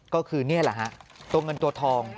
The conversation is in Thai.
ก็คือนี่แหละฮะตัวเงินตัวทอง